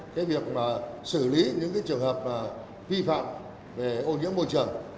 cái việc mà xử lý những cái trường hợp vi phạm về ô nhiễm môi trường